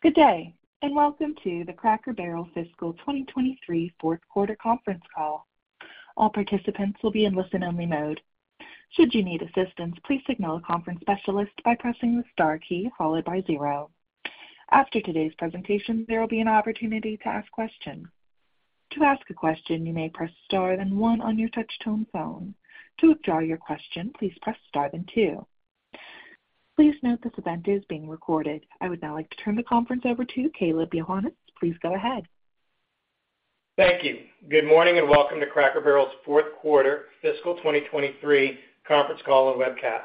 Good day, and welcome to the Cracker Barrel Fiscal 2023 fourth quarter conference call. All participants will be in listen-only mode. Should you need assistance, please signal a conference specialist by pressing the star key, followed by zero. After today's presentation, there will be an opportunity to ask questions. To ask a question, you may press Star then one on your touchtone phone. To withdraw your question, please press Star then two. Please note this event is being recorded. I would now like to turn the conference over to Kaleb Johannes. Please go ahead. Thank you. Good morning, and welcome to Cracker Barrel's fourth quarter fiscal 2023 conference call and webcast.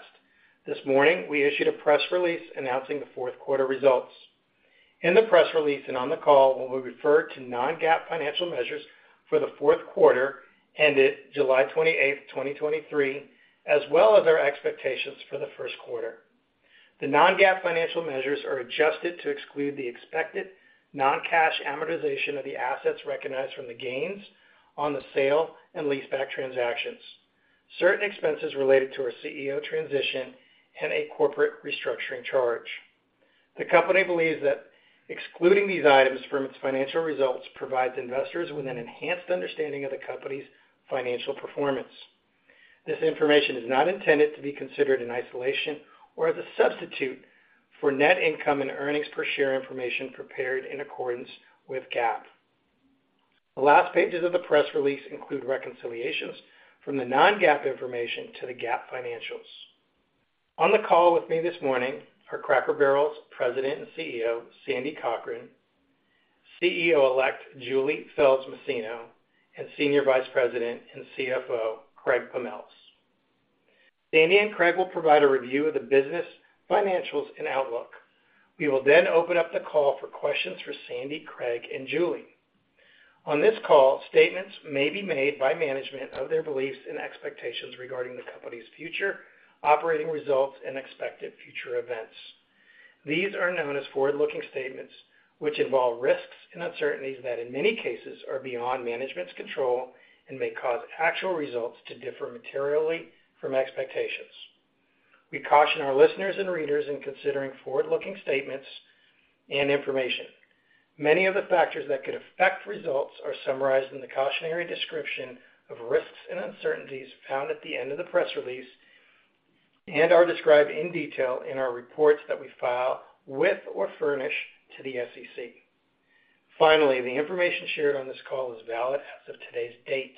This morning, we issued a press release announcing the fourth quarter results. In the press release and on the call, we will refer to non-GAAP financial measures for the fourth quarter, ended July 28, 2023, as well as our expectations for the first quarter. The non-GAAP financial measures are adjusted to exclude the expected non-cash amortization of the assets recognized from the gains on the sale and leaseback transactions, certain expenses related to our CEO transition and a corporate restructuring charge. The company believes that excluding these items from its financial results provides investors with an enhanced understanding of the company's financial performance. This information is not intended to be considered in isolation or as a substitute for net income and earnings per share information prepared in accordance with GAAP. The last pages of the press release include reconciliations from the non-GAAP information to the GAAP financials. On the call with me this morning are Cracker Barrel's President and CEO, Sandy Cochran, CEO-elect Julie Felss Masino, and Senior Vice President and CFO, Craig Pommells. Sandy and Craig will provide a review of the business, financials, and outlook. We will then open up the call for questions for Sandy, Craig, and Julie. On this call, statements may be made by management of their beliefs and expectations regarding the company's future, operating results, and expected future events. These are known as forward-looking statements, which involve risks and uncertainties that, in many cases, are beyond management's control and may cause actual results to differ materially from expectations. We caution our listeners and readers in considering forward-looking statements and information. Many of the factors that could affect results are summarized in the cautionary description of risks and uncertainties found at the end of the press release and are described in detail in our reports that we file with or furnish to the SEC. Finally, the information shared on this call is valid as of today's date.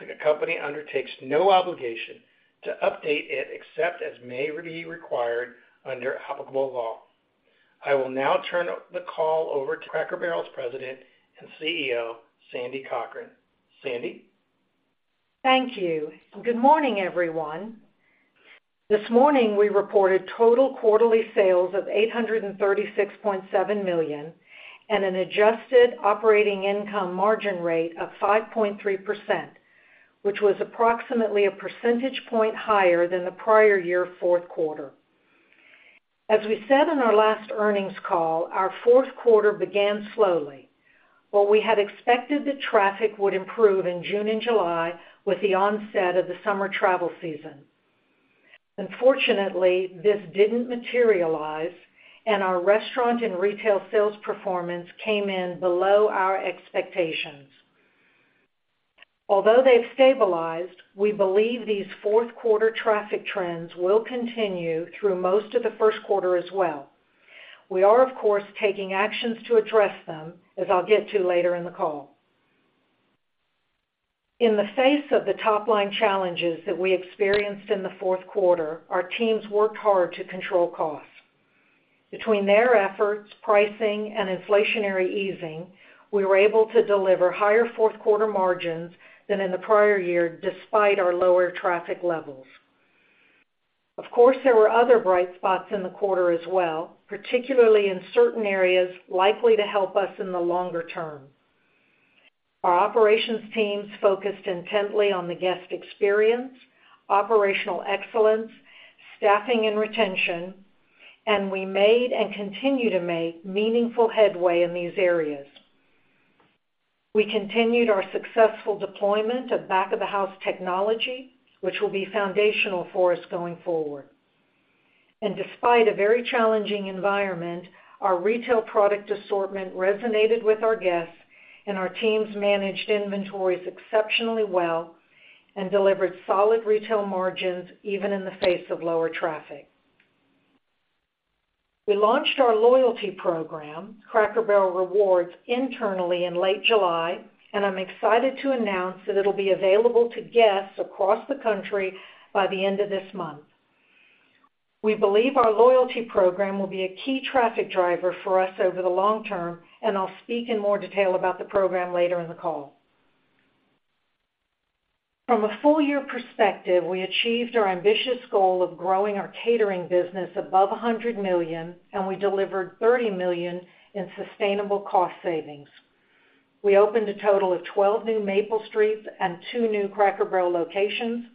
The company undertakes no obligation to update it, except as may be required under applicable law. I will now turn the call over to Cracker Barrel's President and CEO, Sandy Cochran. Sandy? Thank you. Good morning, everyone. This morning, we reported total quarterly sales of $836.7 million and an adjusted operating income margin rate of 5.3%, which was approximately a percentage point higher than the prior year fourth quarter. As we said on our last earnings call, our fourth quarter began slowly. While we had expected that traffic would improve in June and July with the onset of the summer travel season, unfortunately, this didn't materialize, and our restaurant and retail sales performance came in below our expectations. Although they've stabilized, we believe these fourth quarter traffic trends will continue through most of the first quarter as well. We are, of course, taking actions to address them, as I'll get to later in the call. In the face of the top-line challenges that we experienced in the fourth quarter, our teams worked hard to control costs. Between their efforts, pricing and inflationary easing, we were able to deliver higher fourth quarter margins than in the prior year, despite our lower traffic levels. Of course, there were other bright spots in the quarter as well, particularly in certain areas likely to help us in the longer term. Our operations teams focused intently on the guest experience, operational excellence, staffing and retention, and we made and continue to make meaningful headway in these areas. We continued our successful deployment of back-of-the-house technology, which will be foundational for us going forward. Despite a very challenging environment, our retail product assortment resonated with our guests, and our teams managed inventories exceptionally well and delivered solid retail margins, even in the face of lower traffic. We launched our loyalty program, Cracker Barrel Rewards, internally in late July, and I'm excited to announce that it'll be available to guests across the country by the end of this month. We believe our loyalty program will be a key traffic driver for us over the long term, and I'll speak in more detail about the program later in the call. From a full year perspective, we achieved our ambitious goal of growing our catering business above $100 million, and we delivered $30 million in sustainable cost savings. We opened a total of 12 new Maple Streets and 2 new Cracker Barrel locations,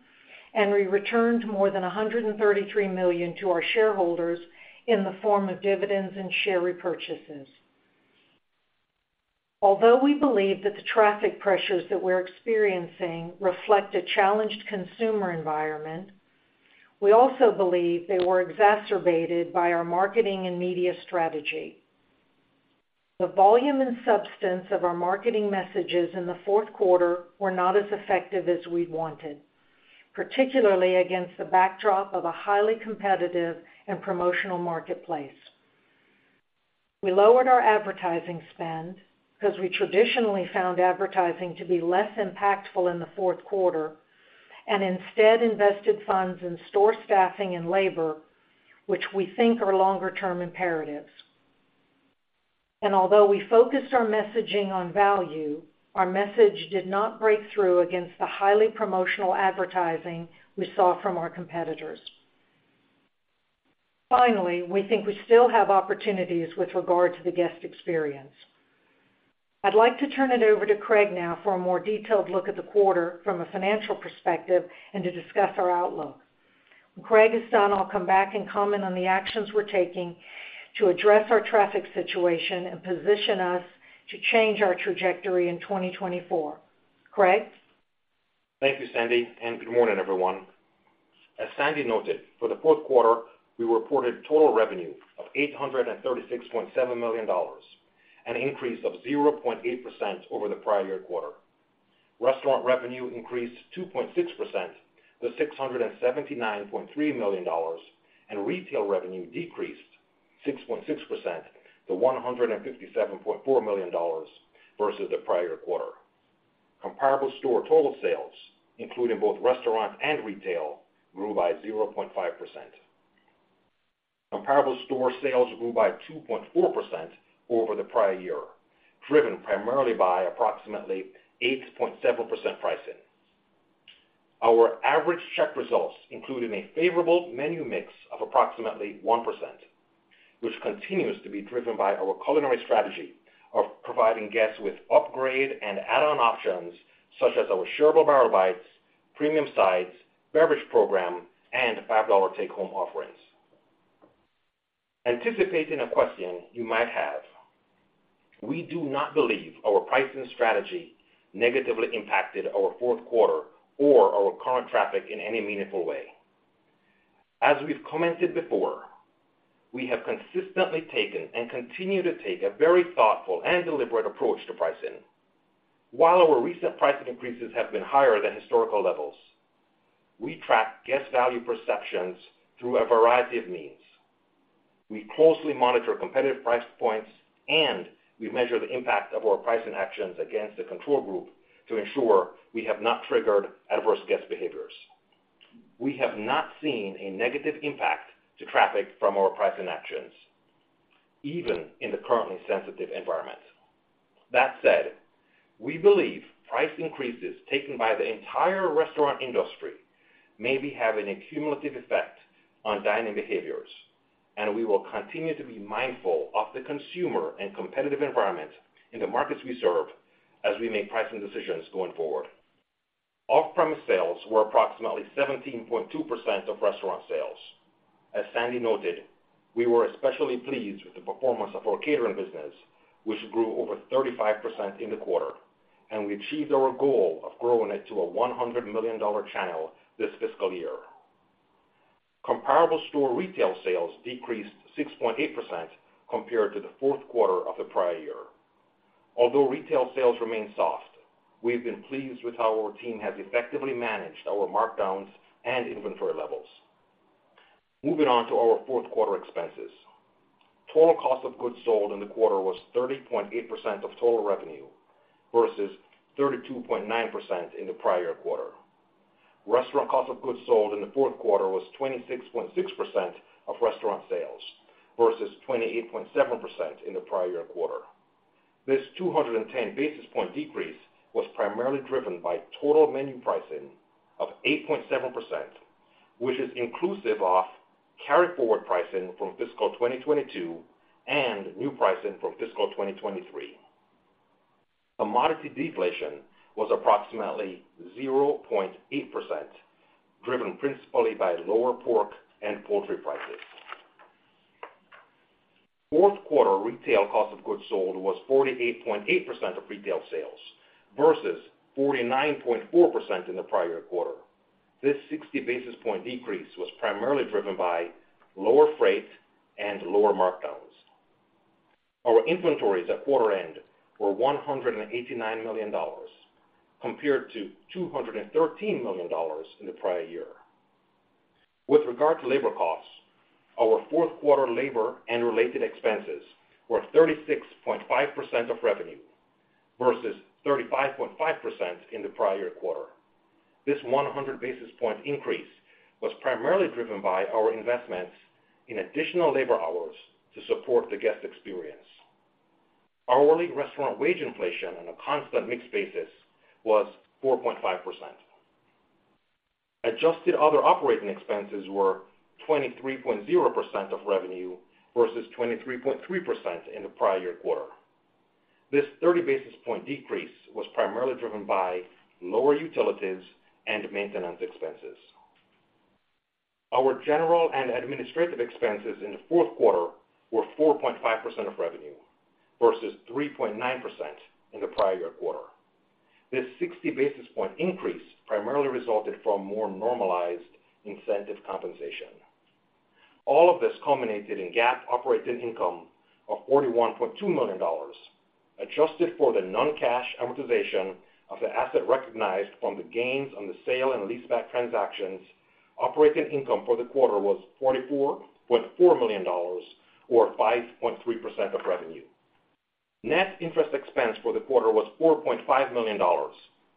and we returned more than $133 million to our shareholders in the form of dividends and share repurchases.... Although we believe that the traffic pressures that we're experiencing reflect a challenged consumer environment, we also believe they were exacerbated by our marketing and media strategy. The volume and substance of our marketing messages in the fourth quarter were not as effective as we'd wanted, particularly against the backdrop of a highly competitive and promotional marketplace. We lowered our advertising spend because we traditionally found advertising to be less impactful in the fourth quarter, and instead invested funds in store staffing and labor, which we think are longer-term imperatives. Although we focused our messaging on value, our message did not break through against the highly promotional advertising we saw from our competitors. Finally, we think we still have opportunities with regard to the guest experience. I'd like to turn it over to Craig now for a more detailed look at the quarter from a financial perspective and to discuss our outlook. When Craig is done, I'll come back and comment on the actions we're taking to address our traffic situation and position us to change our trajectory in 2024. Craig? Thank you, Sandy, and good morning, everyone. As Sandy noted, for the fourth quarter, we reported total revenue of $836.7 million, an increase of 0.8% over the prior year quarter. Restaurant revenue increased 2.6% to $679.3 million, and retail revenue decreased 6.6% to $157.4 million versus the prior quarter. Comparable store total sales, including both restaurant and retail, grew by 0.5%. Comparable store sales grew by 2.4% over the prior year, driven primarily by approximately 8.7% pricing. Our average check results included a favorable menu mix of approximately 1%, which continues to be driven by our culinary strategy of providing guests with upgrade and add-on options such as our Shareable Barrel Bites, premium sides, beverage program, and $5 take-home offerings. Anticipating a question you might have, we do not believe our pricing strategy negatively impacted our fourth quarter or our current traffic in any meaningful way. As we've commented before, we have consistently taken and continue to take a very thoughtful and deliberate approach to pricing. While our recent pricing increases have been higher than historical levels, we track guest value perceptions through a variety of means. We closely monitor competitive price points, and we measure the impact of our pricing actions against the control group to ensure we have not triggered adverse guest behaviors. We have not seen a negative impact to traffic from our pricing actions, even in the currently sensitive environment. That said, we believe price increases taken by the entire restaurant industry may be having a cumulative effect on dining behaviors, and we will continue to be mindful of the consumer and competitive environment in the markets we serve as we make pricing decisions going forward. Off-premise sales were approximately 17.2% of restaurant sales. As Sandy noted, we were especially pleased with the performance of our catering business, which grew over 35% in the quarter, and we achieved our goal of growing it to a $100 million channel this fiscal year. Comparable store retail sales decreased 6.8% compared to the fourth quarter of the prior year. Although retail sales remain soft, we've been pleased with how our team has effectively managed our markdowns and inventory levels. Moving on to our fourth quarter expenses. Total cost of goods sold in the quarter was 30.8% of total revenue versus 32.9% in the prior quarter. Restaurant cost of goods sold in the fourth quarter was 26.6% of restaurant sales versus 28.7% in the prior year quarter. This 210 basis point decrease was primarily driven by total menu pricing of 8.7%, which is inclusive of carry forward pricing from fiscal 2022 and new pricing from fiscal 2023. Commodity deflation was approximately 0.8%, driven principally by lower pork and poultry prices. Fourth quarter retail cost of goods sold was 48.8% of retail sales versus 49.4% in the prior quarter. This 60 basis point decrease was primarily driven by lower freight and lower markdowns. Our inventories at quarter end were $189 million, compared to $213 million in the prior year. With regard to labor costs, our fourth quarter labor and related expenses were 36.5% of revenue versus 35.5% in the prior quarter. This 100 basis point increase was primarily driven by our investments in additional labor hours to support the guest experience. Hourly restaurant wage inflation on a constant mix basis was 4.5%. Adjusted other operating expenses were 23.0% of revenue versus 23.3% in the prior year quarter. This 30 basis point decrease was primarily driven by lower utilities and maintenance expenses. Our general and administrative expenses in the fourth quarter were 4.5% of revenue, versus 3.9% in the prior year quarter. This 60 basis point increase primarily resulted from more normalized incentive compensation. All of this culminated in GAAP operating income of $41.2 million, adjusted for the non-cash amortization of the asset recognized from the gains on the sale and leaseback transactions. Operating income for the quarter was $44.4 million, or 5.3% of revenue. Net interest expense for the quarter was $4.5 million,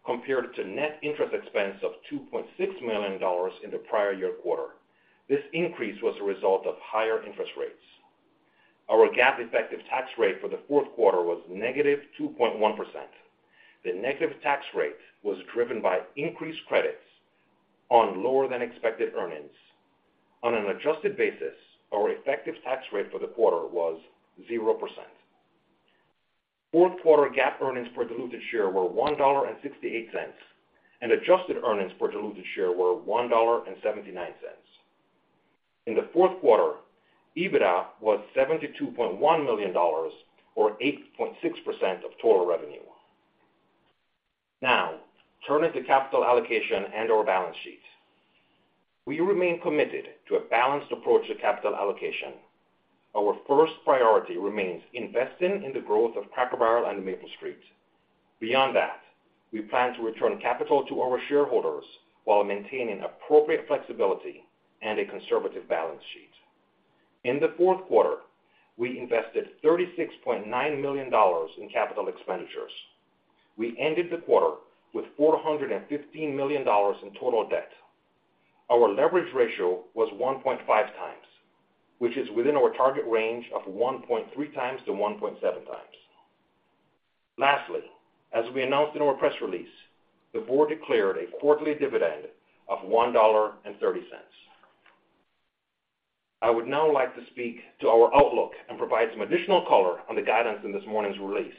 compared to net interest expense of $2.6 million in the prior year quarter. This increase was a result of higher interest rates. Our GAAP effective tax rate for the fourth quarter was -2.1%. The negative tax rate was driven by increased credits on lower than expected earnings. On an adjusted basis, our effective tax rate for the quarter was 0%. Fourth quarter GAAP earnings per diluted share were $1.68, and adjusted earnings per diluted share were $1.79. In the fourth quarter, EBITDA was $72.1 million or 8.6% of total revenue. Now, turning to capital allocation and our balance sheet. We remain committed to a balanced approach to capital allocation. Our first priority remains investing in the growth of Cracker Barrel and Maple Street. Beyond that, we plan to return capital to our shareholders while maintaining appropriate flexibility and a conservative balance sheet. In the fourth quarter, we invested $36.9 million in capital expenditures. We ended the quarter with $415 million in total debt. Our leverage ratio was 1.5 times, which is within our target range of 1.3 times-1.7 times. Lastly, as we announced in our press release, the board declared a quarterly dividend of $1.30. I would now like to speak to our outlook and provide some additional color on the guidance in this morning's release.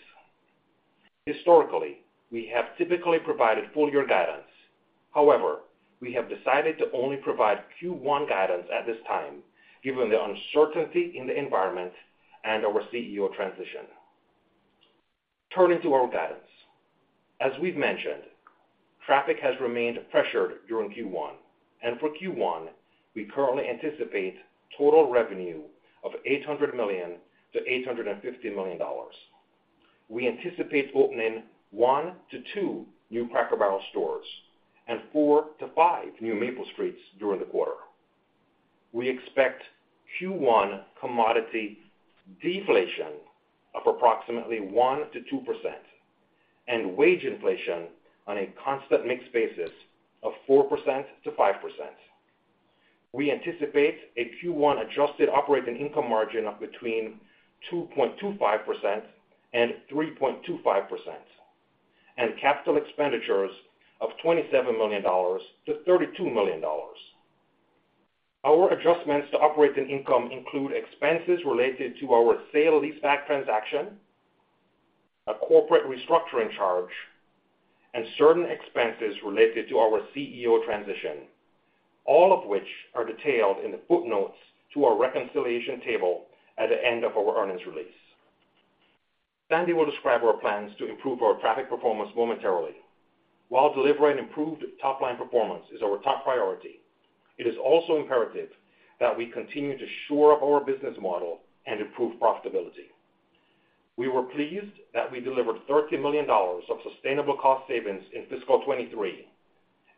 Historically, we have typically provided full year guidance. However, we have decided to only provide Q1 guidance at this time, given the uncertainty in the environment and our CEO transition. Turning to our guidance. As we've mentioned, traffic has remained pressured during Q1, and for Q1, we currently anticipate total revenue of $800 million-$850 million. We anticipate opening 1-2 new Cracker Barrel stores and 4-5 new Maple Streets during the quarter. We expect Q1 commodity deflation of approximately 1%-2% and wage inflation on a constant mix basis of 4%-5%. We anticipate a Q1 adjusted operating income margin of between 2.25% and 3.25%, and capital expenditures of $27 million-$32 million. Our adjustments to operating income include expenses related to our sale-leaseback transaction, a corporate restructuring charge, and certain expenses related to our CEO transition, all of which are detailed in the footnotes to our reconciliation table at the end of our earnings release. Sandy will describe our plans to improve our traffic performance momentarily. While delivering improved top-line performance is our top priority, it is also imperative that we continue to shore up our business model and improve profitability. We were pleased that we delivered $13 million of sustainable cost savings in fiscal 2023,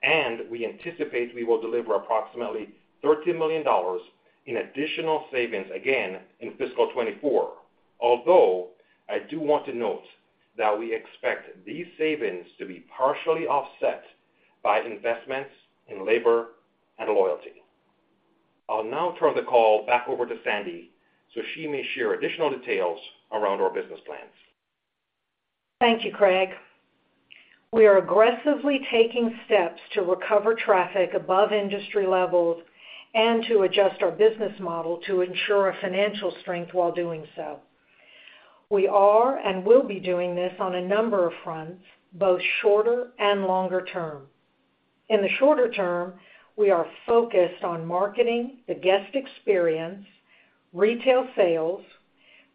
and we anticipate we will deliver approximately $13 million in additional savings again in fiscal 2024. Although, I do want to note that we expect these savings to be partially offset by investments in labor and loyalty. I'll now turn the call back over to Sandy, so she may share additional details around our business plans. Thank you, Craig. We are aggressively taking steps to recover traffic above industry levels and to adjust our business model to ensure our financial strength while doing so. We are and will be doing this on a number of fronts, both shorter and longer term. In the shorter term, we are focused on marketing, the guest experience, retail sales,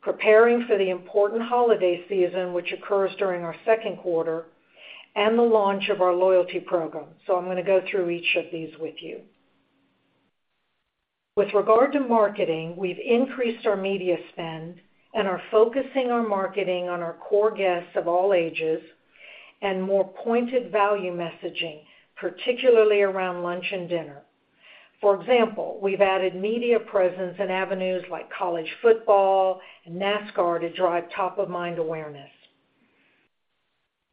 preparing for the important holiday season, which occurs during our second quarter, and the launch of our loyalty program. So I'm gonna go through each of these with you. With regard to marketing, we've increased our media spend and are focusing our marketing on our core guests of all ages and more pointed value messaging, particularly around lunch and dinner. For example, we've added media presence in avenues like college football and NASCAR to drive top-of-mind awareness.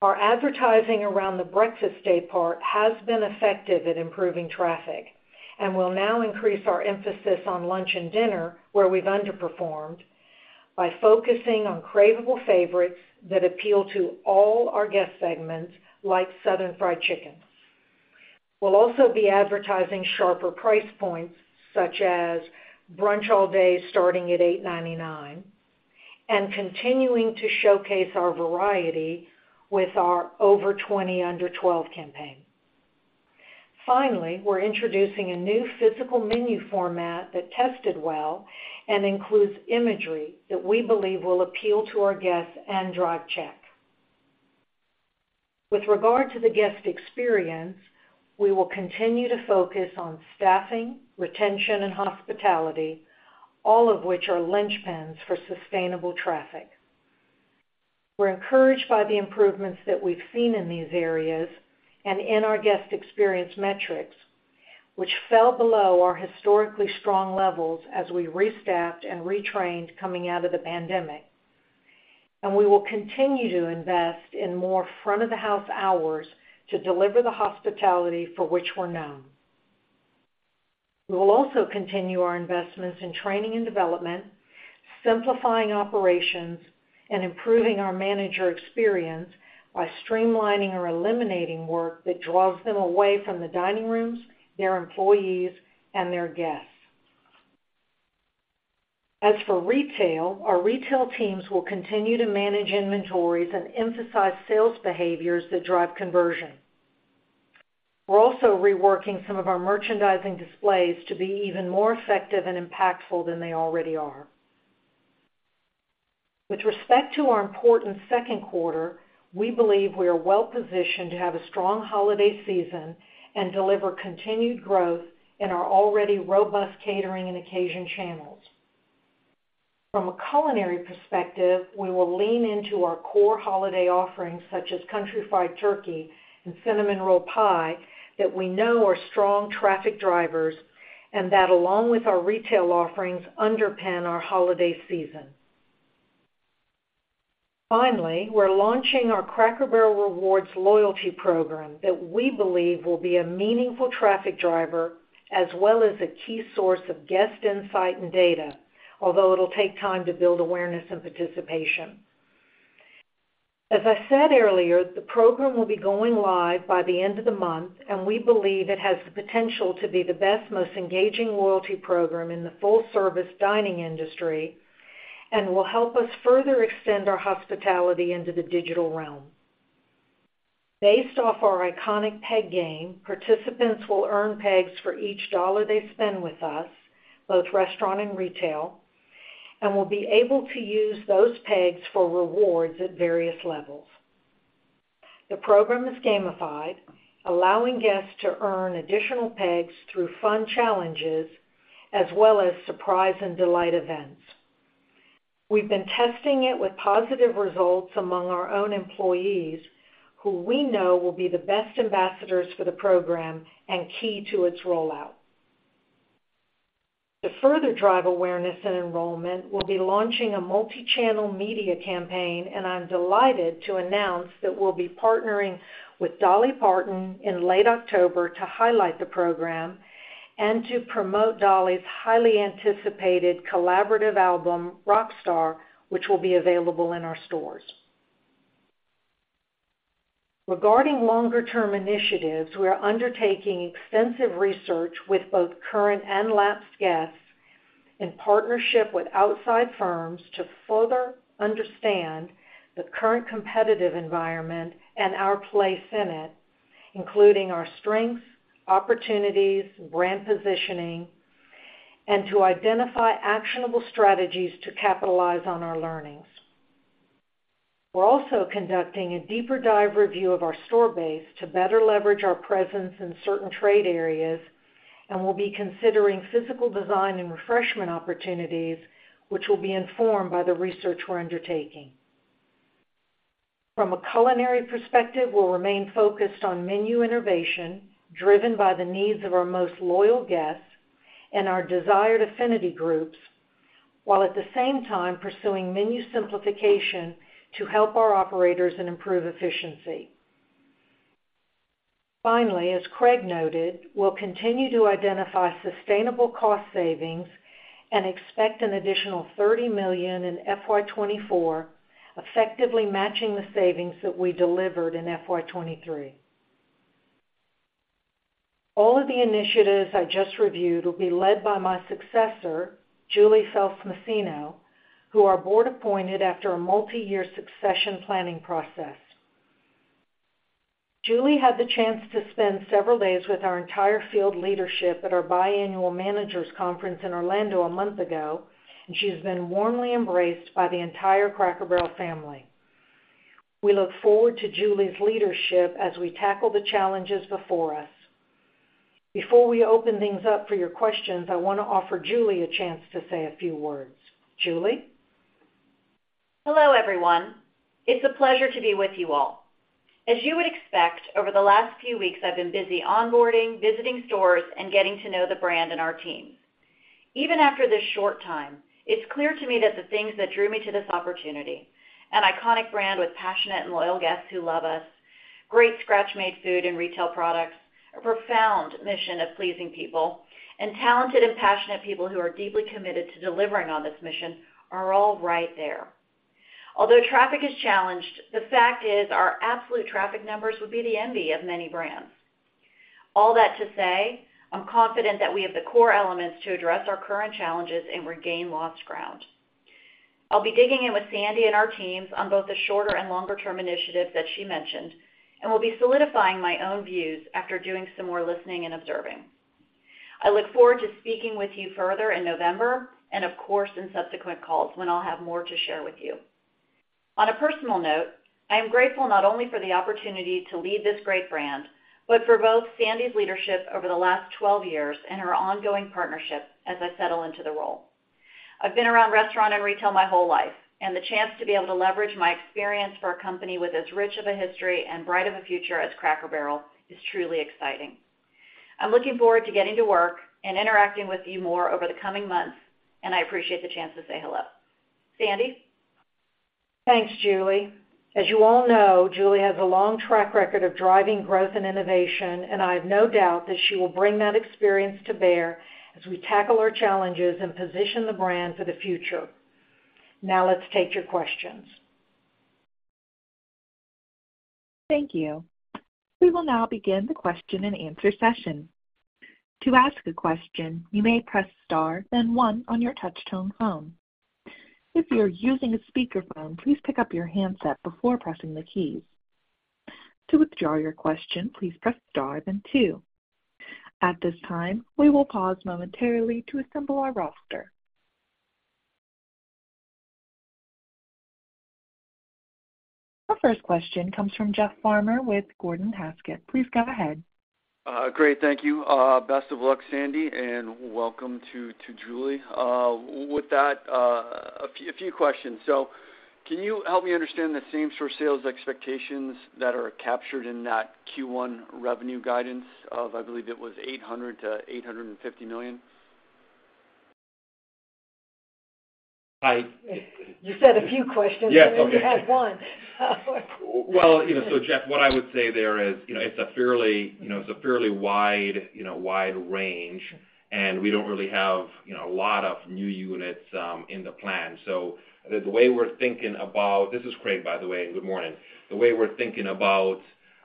Our advertising around the breakfast day part has been effective at improving traffic and will now increase our emphasis on lunch and dinner, where we've underperformed, by focusing on craveable favorites that appeal to all our guest segments, like Southern Fried Chicken. We'll also be advertising sharper price points, such as Brunch All Day, starting at $8.99... and continuing to showcase our variety with our Over Twenty, Under Twelve campaign. Finally, we're introducing a new physical menu format that tested well and includes imagery that we believe will appeal to our guests and drive check. With regard to the guest experience, we will continue to focus on staffing, retention, and hospitality, all of which are linchpins for sustainable traffic. We're encouraged by the improvements that we've seen in these areas and in our guest experience metrics, which fell below our historically strong levels as we restaffed and retrained coming out of the pandemic. We will continue to invest in more front of the house hours to deliver the hospitality for which we're known. We will also continue our investments in training and development, simplifying operations, and improving our manager experience by streamlining or eliminating work that draws them away from the dining rooms, their employees, and their guests. As for retail, our retail teams will continue to manage inventories and emphasize sales behaviors that drive conversion. We're also reworking some of our merchandising displays to be even more effective and impactful than they already are. With respect to our important second quarter, we believe we are well positioned to have a strong holiday season and deliver continued growth in our already robust catering and occasion channels. From a culinary perspective, we will lean into our core holiday offerings, such as Country Fried Turkey and Cinnamon Roll Pie, that we know are strong traffic drivers, and that, along with our retail offerings, underpin our holiday season. Finally, we're launching our Cracker Barrel Rewards loyalty program that we believe will be a meaningful traffic driver as well as a key source of guest insight and data, although it'll take time to build awareness and participation. As I said earlier, the program will be going live by the end of the month, and we believe it has the potential to be the best, most engaging loyalty program in the full-service dining industry and will help us further extend our hospitality into the digital realm. Based off our iconic Peg Game, participants will earn Pegs for each dollar they spend with us, both restaurant and retail, and will be able to use those Pegs for rewards at various levels. The program is gamified, allowing guests to earn additional Pegs through fun challenges as well as surprise and delight events. We've been testing it with positive results among our own employees, who we know will be the best ambassadors for the program and key to its rollout. To further drive awareness and enrollment, we'll be launching a multi-channel media campaign, and I'm delighted to announce that we'll be partnering with Dolly Parton in late October to highlight the program and to promote Dolly's highly anticipated collaborative album, Rockstar, which will be available in our stores. Regarding longer-term initiatives, we are undertaking extensive research with both current and lapsed guests in partnership with outside firms to further understand the current competitive environment and our place in it, including our strengths, opportunities, brand positioning, and to identify actionable strategies to capitalize on our learnings. We're also conducting a deeper dive review of our store base to better leverage our presence in certain trade areas, and we'll be considering physical design and refreshment opportunities, which will be informed by the research we're undertaking. From a culinary perspective, we'll remain focused on menu innovation, driven by the needs of our most loyal guests and our desired affinity groups, while at the same time pursuing menu simplification to help our operators and improve efficiency. Finally, as Craig noted, we'll continue to identify sustainable cost savings and expect an additional $30 million in FY 2024, effectively matching the savings that we delivered in FY 2023. All of the initiatives I just reviewed will be led by my successor, Julie Felss Masino, who our board appointed after a multiyear succession planning process. Julie had the chance to spend several days with our entire field leadership at our biannual managers conference in Orlando a month ago, and she's been warmly embraced by the entire Cracker Barrel family. We look forward to Julie's leadership as we tackle the challenges before us. Before we open things up for your questions, I want to offer Julie a chance to say a few words. Julie? Hello, everyone. It's a pleasure to be with you all. As you would expect, over the last few weeks, I've been busy onboarding, visiting stores, and getting to know the brand and our teams. Even after this short time, it's clear to me that the things that drew me to this opportunity, an iconic brand with passionate and loyal guests who love us, great scratch-made food and retail products, a profound mission of pleasing people, and talented and passionate people who are deeply committed to delivering on this mission, are all right there. Although traffic is challenged, the fact is our absolute traffic numbers would be the envy of many brands.... All that to say, I'm confident that we have the core elements to address our current challenges and regain lost ground. I'll be digging in with Sandy and our teams on both the shorter and longer term initiatives that she mentioned, and will be solidifying my own views after doing some more listening and observing. I look forward to speaking with you further in November, and of course, in subsequent calls, when I'll have more to share with you. On a personal note, I am grateful not only for the opportunity to lead this great brand, but for both Sandy's leadership over the last 12 years and her ongoing partnership as I settle into the role. I've been around restaurant and retail my whole life, and the chance to be able to leverage my experience for a company with as rich of a history and bright of a future as Cracker Barrel is truly exciting. I'm looking forward to getting to work and interacting with you more over the coming months, and I appreciate the chance to say hello. Sandy? Thanks, Julie. As you all know, Julie has a long track record of driving growth and innovation, and I have no doubt that she will bring that experience to bear as we tackle our challenges and position the brand for the future. Now, let's take your questions. Thank you. We will now begin the question and answer session. To ask a question, you may press Star, then One on your touchtone phone. If you are using a speakerphone, please pick up your handset before pressing the keys. To withdraw your question, please press Star, then Two. At this time, we will pause momentarily to assemble our roster. Our first question comes from Jeff Farmer with Gordon Haskett. Please go ahead. Great, thank you. Best of luck, Sandy, and welcome to Julie. With that, a few questions. So can you help me understand the same-store sales expectations that are captured in that Q1 revenue guidance of, I believe it was $800 million-$850 million? I- You said a few questions- Yes, okay. But you had one. Well, you know, so Jeff, what I would say there is, you know, it's a fairly, you know, it's a fairly wide, you know, wide range, and we don't really have, you know, a lot of new units, in the plan. So the way we're thinking about. This is Craig, by the way, and good morning. The way we're thinking about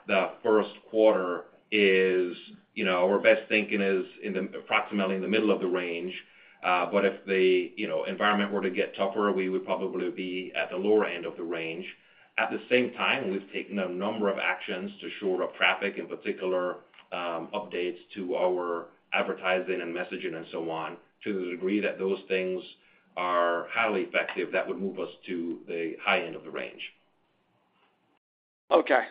the first quarter is, you know, our best thinking is in the, approximately in the middle of the range. But if the, you know, environment were to get tougher, we would probably be at the lower end of the range. At the same time, we've taken a number of actions to shore up traffic, in particular, updates to our advertising and messaging and so on. To the degree that those things are highly effective, that would move us to the high end of the range. Okay,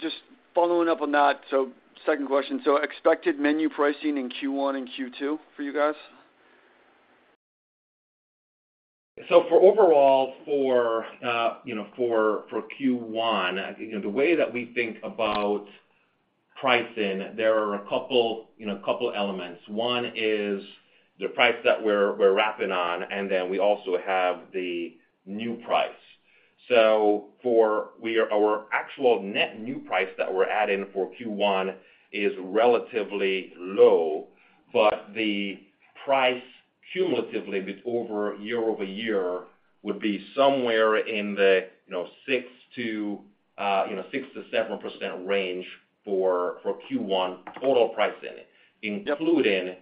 just following up on that, so second question. So expected menu pricing in Q1 and Q2 for you guys? So for overall, you know, for Q1, you know, the way that we think about pricing, there are a couple, you know, couple elements. One is the price that we're wrapping on, and then we also have the new price. So our actual net new price that we're adding for Q1 is relatively low, but the price cumulatively over year-over-year would be somewhere in the, you know, 6%-7% range for Q1 total pricing, including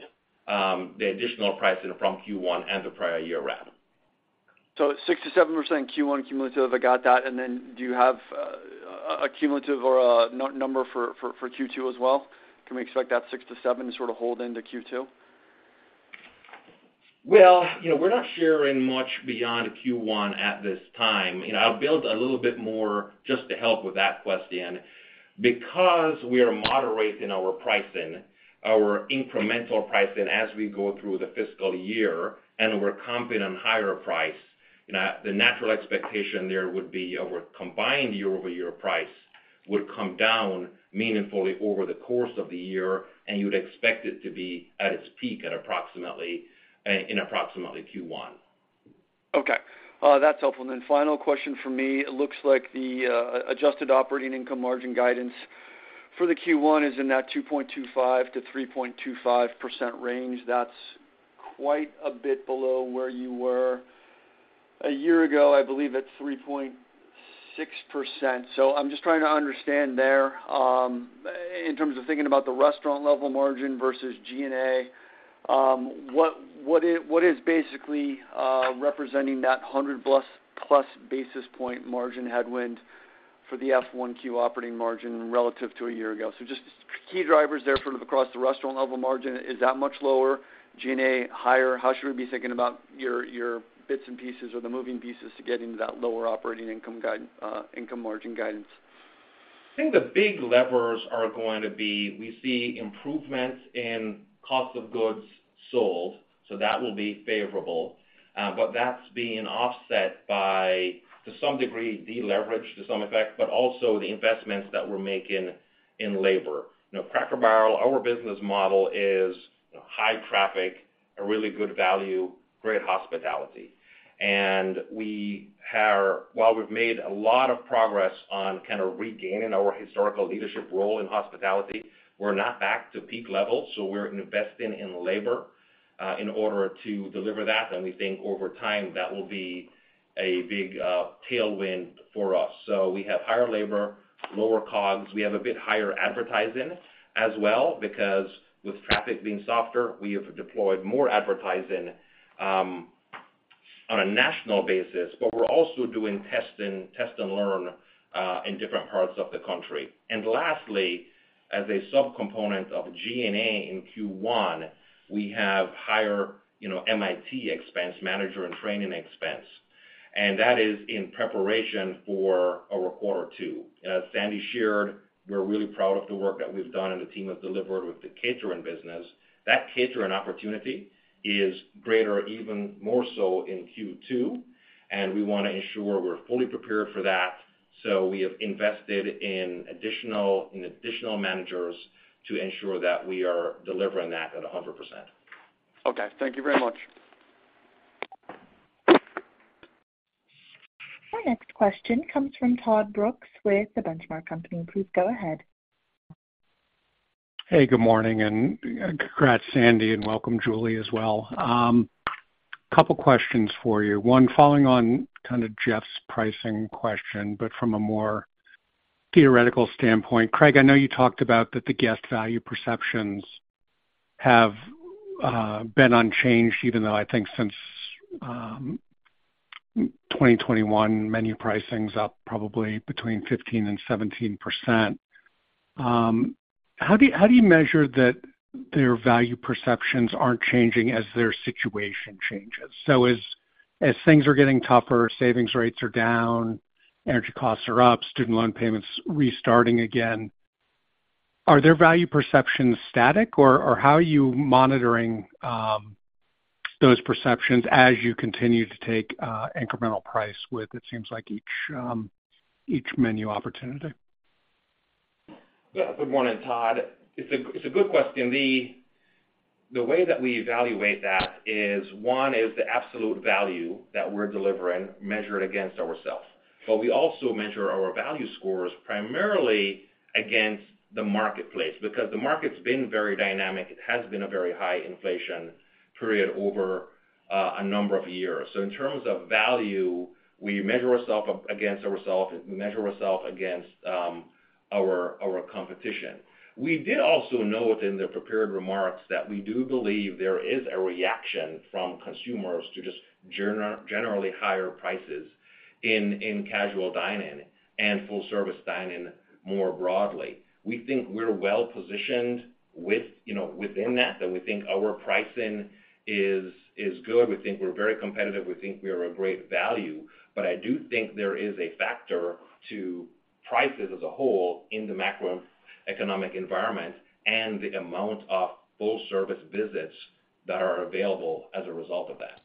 the additional pricing from Q1 and the prior year wrap. So 6%-7% Q1 cumulative, I got that. And then do you have a cumulative or a number for Q2 as well? Can we expect that 6%-7% to sort of hold into Q2? Well, you know, we're not sharing much beyond Q1 at this time. You know, I'll build a little bit more just to help with that question. Because we are moderating our pricing, our incremental pricing, as we go through the fiscal year, and we're comping on higher price, the natural expectation there would be our combined year-over-year price would come down meaningfully over the course of the year, and you'd expect it to be at its peak at approximately in approximately Q1. Okay, that's helpful. And then final question for me. It looks like the adjusted operating income margin guidance for the Q1 is in that 2.25%-3.25% range. That's quite a bit below where you were a year ago, I believe, at 3.6%. So I'm just trying to understand there, in terms of thinking about the restaurant level margin versus G&A, what is basically representing that 100-plus basis point margin headwind for the Q1 operating margin relative to a year ago? So just key drivers there sort of across the restaurant level margin, is that much lower, G&A higher? How should we be thinking about your bits and pieces or the moving pieces to getting to that lower operating income guide, income margin guidance? I think the big levers are going to be, we see improvements in cost of goods sold, so that will be favorable. But that's being offset by, to some degree, deleverage to some effect, but also the investments that we're making in labor. You know, Cracker Barrel, our business model is, you know, high traffic, a really good value, great hospitality. And we have, while we've made a lot of progress on kind of regaining our historical leadership role in hospitality, we're not back to peak levels, so we're investing in labor in order to deliver that. And we think over time, that will be a big tailwind. So we have higher labor, lower COGS. We have a bit higher advertising as well, because with traffic being softer, we have deployed more advertising on a national basis. But we're also doing test and learn in different parts of the country. And lastly, as a subcomponent of GNA in Q1, we have higher, you know, MIT expense, manager in training expense, and that is in preparation for our quarter two. As Sandy shared, we're really proud of the work that we've done, and the team has delivered with the catering business. That catering opportunity is greater, even more so in Q2, and we wanna ensure we're fully prepared for that. So we have invested in additional managers to ensure that we are delivering that at 100%. Okay, thank you very much. Our next question comes from Todd Brooks with The Benchmark Company. Please go ahead. Hey, good morning, and congrats, Sandy, and welcome, Julie, as well. Couple questions for you. One, following on kind of Jeff's pricing question, but from a more theoretical standpoint. Craig, I know you talked about that the guest value perceptions have been unchanged, even though I think since 2021, menu pricing's up probably between 15% and 17%. How do you, how do you measure that their value perceptions aren't changing as their situation changes? So as things are getting tougher, savings rates are down, energy costs are up, student loan payments restarting again, are their value perceptions static, or how are you monitoring those perceptions as you continue to take incremental price with, it seems like each menu opportunity? Yeah. Good morning, Todd. It's a good question. The way that we evaluate that is, one, is the absolute value that we're delivering, measured against ourselves. But we also measure our value scores primarily against the marketplace, because the market's been very dynamic. It has been a very high inflation period over a number of years. So in terms of value, we measure ourself up against ourself, we measure ourself against our competition. We did also note in the prepared remarks that we do believe there is a reaction from consumers to just generally higher prices in casual dining and full-service dining more broadly. We think we're well positioned with, you know, within that, and we think our pricing is good. We think we're very competitive. We think we're a great value. But I do think there is a factor to prices as a whole in the macroeconomic environment and the amount of full-service visits that are available as a result of that.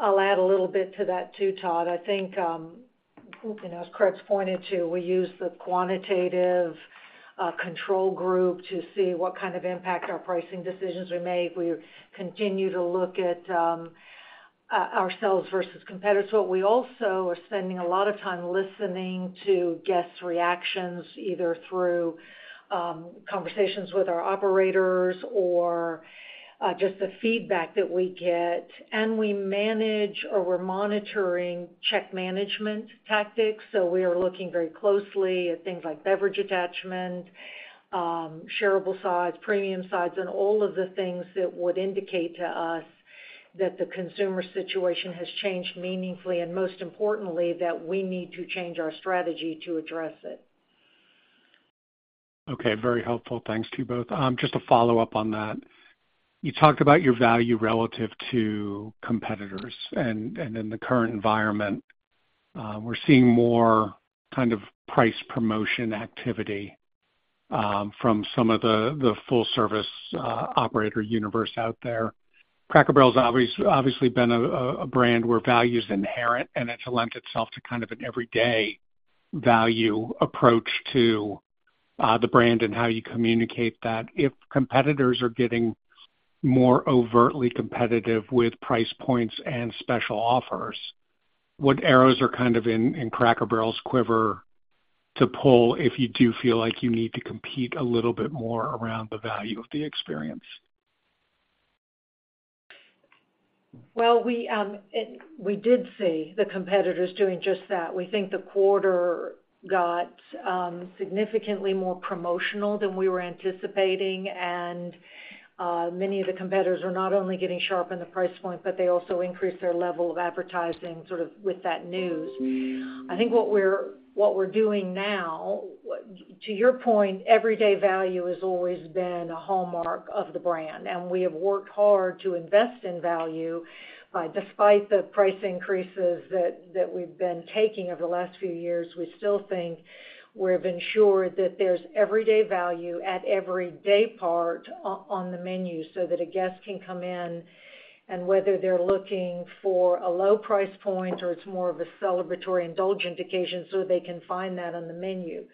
I'll add a little bit to that, too, Todd. I think, you know, as Craig's pointed to, we use the quantitative control group to see what kind of impact our pricing decisions we make. We continue to look at ourselves versus competitors. But we also are spending a lot of time listening to guests' reactions, either through conversations with our operators or just the feedback that we get, and we manage or we're monitoring check management tactics. So we are looking very closely at things like beverage attachment, shareable sides, premium sides, and all of the things that would indicate to us that the consumer situation has changed meaningfully, and most importantly, that we need to change our strategy to address it. Okay, very helpful. Thanks to you both. Just to follow up on that, you talked about your value relative to competitors, and in the current environment, we're seeing more kind of price promotion activity from some of the full-service operator universe out there. Cracker Barrel's obviously been a brand where value is inherent, and it's lent itself to kind of an everyday value approach to the brand and how you communicate that. If competitors are getting more overtly competitive with price points and special offers, what arrows are kind of in Cracker Barrel's quiver to pull if you do feel like you need to compete a little bit more around the value of the experience? Well, we did see the competitors doing just that. We think the quarter got significantly more promotional than we were anticipating, and many of the competitors are not only getting sharp in the price point, but they also increased their level of advertising, sort of with that news. I think what we're doing now, to your point, everyday value has always been a hallmark of the brand, and we have worked hard to invest in value. Despite the price increases that we've been taking over the last few years, we still think we've ensured that there's everyday value at every day part on the menu, so that a guest can come in, and whether they're looking for a low price point or it's more of a celebratory indulgent occasion, so they can find that on the menu.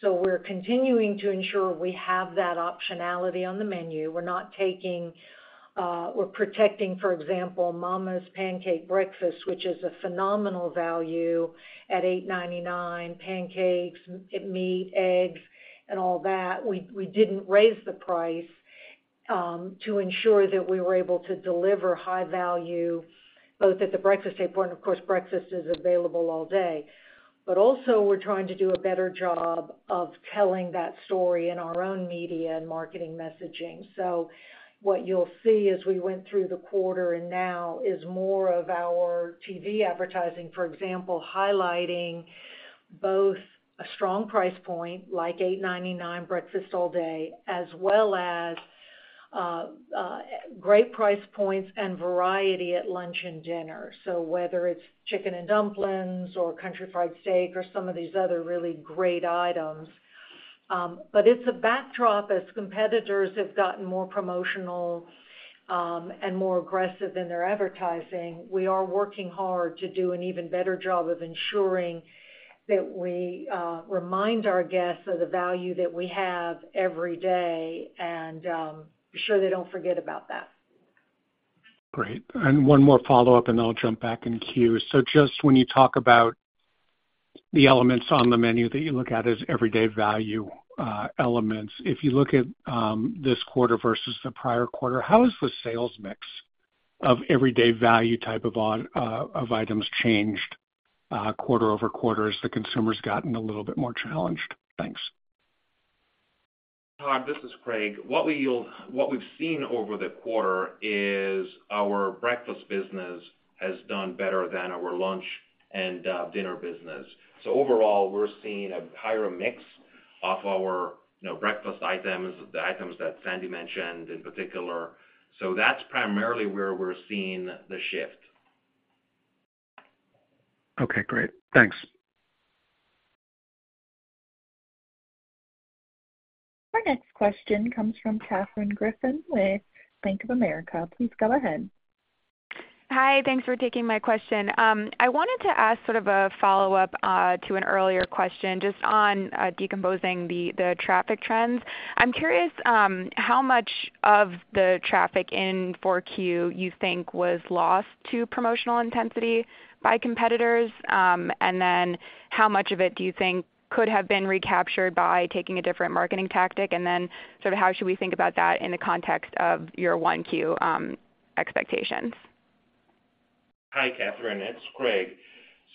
So we're continuing to ensure we have that optionality on the menu. We're not taking, we're protecting, for example, Mama's Pancake Breakfast, which is a phenomenal value at $8.99. Pancakes, meat, eggs, and all that. We, we didn't raise the price to ensure that we were able to deliver high value, both at the breakfast table, and of course, breakfast is available all day. But also we're trying to do a better job of telling that story in our own media and marketing messaging. So what you'll see as we went through the quarter and now, is more of our TV advertising, for example, highlighting both a strong price point, like $8.99 breakfast all day, as well as great price points and variety at lunch and dinner. So whether it's chicken and dumplings or Country Fried Steak or some of these other really great items. But it's a backdrop as competitors have gotten more promotional, and more aggressive in their advertising. We are working hard to do an even better job of ensuring that we remind our guests of the value that we have every day, and be sure they don't forget about that. Great. And one more follow-up, and then I'll jump back in queue. So just when you talk about the elements on the menu that you look at as everyday value elements, if you look at this quarter versus the prior quarter, how has the sales mix of everyday value type of odd of items changed quarter-over-quarter as the consumer's gotten a little bit more challenged? Thanks. Hi, this is Craig. What we've seen over the quarter is our breakfast business has done better than our lunch and dinner business. So overall, we're seeing a higher mix of our, you know, breakfast items, the items that Sandy mentioned in particular. So that's primarily where we're seeing the shift. Okay, great. Thanks. Our next question comes from Katherine Griffin with Bank of America. Please go ahead. Hi, thanks for taking my question. I wanted to ask sort of a follow-up to an earlier question, just on decomposing the traffic trends. I'm curious how much of the traffic in 4Q you think was lost to promotional intensity by competitors? And then how much of it do you think could have been recaptured by taking a different marketing tactic? And then sort of how should we think about that in the context of your 1Q expectations? Hi, Katherine, it's Craig.